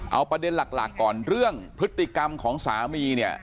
เอาประเด็นหลักก่อนเรื่องพฤติกรรมของสามีเนี่ย